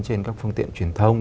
trên các phương tiện truyền thông